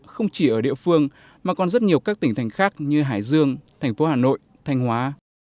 không chỉ ở địa phương mà còn rất nhiều các tỉnh thành khác như hải dương thành phố hà nội thanh hóa